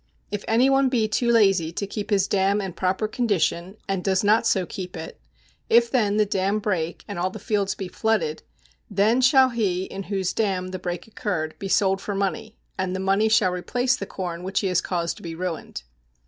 If any one be too lazy to keep his dam in proper condition, and does not so keep it; if then the dam break and all the fields be flooded, then shall he in whose dam the break occurred be sold for money, and the money shall replace the corn which he has caused to be ruined.